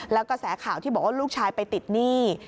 แล้วก็แสข่าวที่บอกว่าลูกชายไปติดหนี้